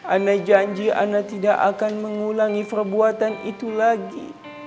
ana janji ana tidak akan mengulangi perbuatan itu lagi